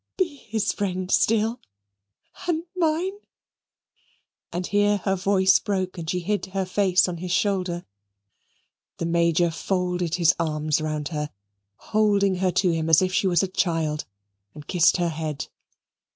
Be his friend still and mine" and here her voice broke, and she hid her face on his shoulder. The Major folded his arms round her, holding her to him as if she was a child, and kissed her head.